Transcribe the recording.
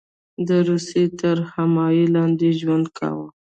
د روسیې تر حمایې لاندې ژوند کاوه.